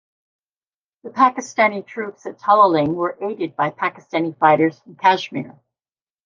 The Pakistani troops at Tololing were aided by Pakistani fighters from Kashmir.